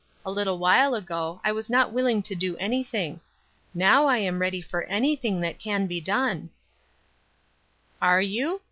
A little while ago I was not willing to do anything. Now I am ready for anything that can be done." "Are you?"